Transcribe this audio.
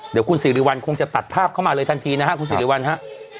เดี๋ยวคุณสิริวัลคงจะตัดภาพเข้ามาเลยทันทีนะฮะคุณสิริวัลฮะ